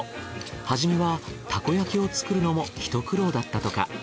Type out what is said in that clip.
はじめはたこ焼きを作るのもひと苦労だったとか。